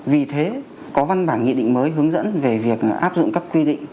vì thế có văn bản nghị định mới hướng dẫn về việc áp dụng các quy định